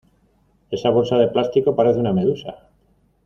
Esa bolsa de plástico parece una medusa.